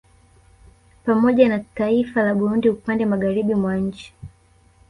Pamoja na taiifa la Burundi upande Magharibi mwa nchi